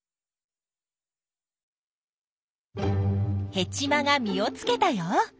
ヘチマが実をつけたよ。